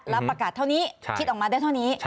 รับประกาศเท่านี้คิดออกมาได้เท่านี้